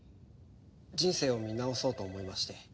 人生を見直そうと思いまして。